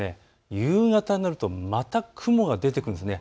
夕方になるとまた雲が出てくるんです。